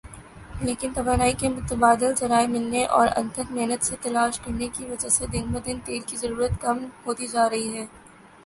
لیکن توانائی کے متبادل ذرائع ملنے اور انتھک محنت سے تلاش کرنے کی وجہ سے دن بدن تیل کی ضرورت کم ہوتی جارہی ھے